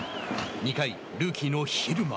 ２回、ルーキーの蛭間。